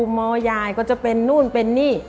มยายก็จะเป็นนู่นเป็นนี่